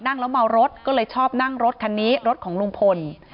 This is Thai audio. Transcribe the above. นั่งแล้วเมารถก็เลยชอบนั่งรถคันนี้รถของลุงพล